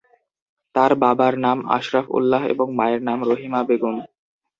তার বাবার নাম আশরাফ উল্লাহ এবং মায়ের নাম রহিমা বেগম।